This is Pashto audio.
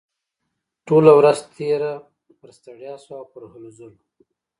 ټوله ورځ تېره پر ستړيا شوه او پر هلو ځلو.